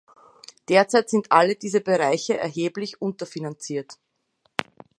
Derzeit sind alle diese Bereiche erheblich unterfinanziert.